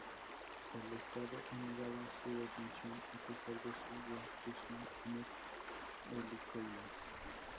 El Estado ha negado su detención a pesar de su reclusión en el Helicoide.